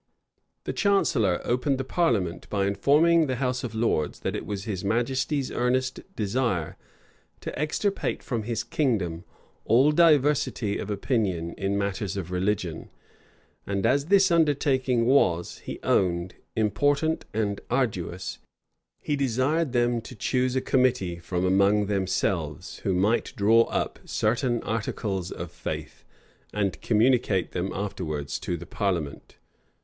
The chancellor opened the parliament by informing the house of lords, that it was his majesty's earnest desire to extirpate from his kingdom all diversity of opinion in matters of religion; and as this undertaking was, he owned, important and arduous, he desired them to choose a committee from among themselves, who might draw up certain articles of faith; and communicate them afterwards to the parliament.